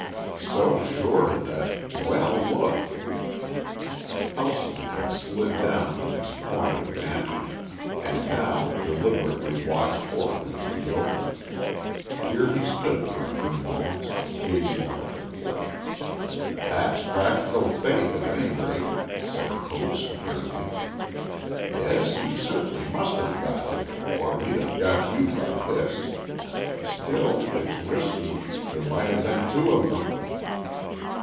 "So sure that Well, look." Helston had slid down from his coign of vantage, and now deliberately walked forth into the open. Here he stood for a few moments, gazing up at the cliff. "That's practical faith at any rate," said Coates, grimly. "Yes, you certainly must have `got him,' or he'd have got you by this. Still, it's risky. There might have been two of them."